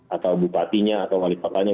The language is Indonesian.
atau bupatinya atau wali kotanya